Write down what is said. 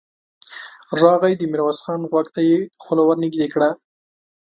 راغی، د ميرويس خان غوږ ته يې خوله ور نږدې کړه.